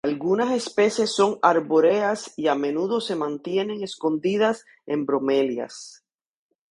Algunas especies son arbóreas y a menudo se mantienen escondidas en bromelias.